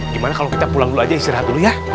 gimana kalau kita pulang dulu aja istirahat dulu ya